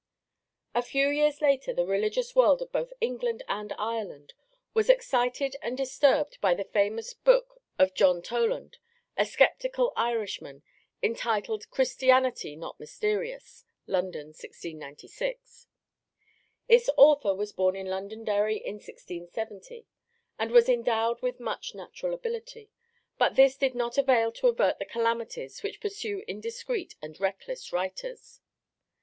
A few years later the religious world of both England and Ireland was excited and disturbed by the famous book of John Toland, a sceptical Irishman, entitled Christianity not Mysterious (London, 1696). Its author was born in Londonderry in 1670, and was endowed with much natural ability, but this did not avail to avert the calamities which pursue indiscreet and reckless writers.